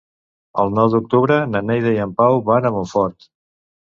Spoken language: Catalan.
El nou d'octubre na Neida i en Pau van a Montfort.